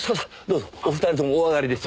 どうぞお二人ともお上がりに。